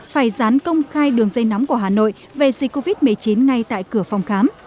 phải dán công khai đường dây nóng của hà nội về dịch covid một mươi chín ngay tại cửa phòng khám